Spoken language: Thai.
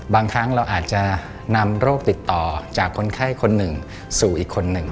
บางครั้งเราอาจจะนำโรคติดต่อจากคนไข้คนหนึ่งสู่อีกคนหนึ่ง